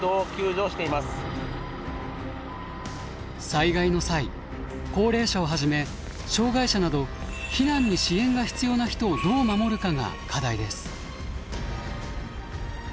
災害の際高齢者をはじめ障害者など避難に支援が必要な人をどう守るかが課題です。